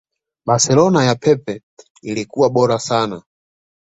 Barcelona ya Pep ilikuwa bora sana